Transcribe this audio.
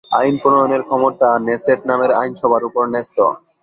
আইন প্রণয়নের ক্ষমতা নেসেট নামের আইনসভার উপর ন্যস্ত।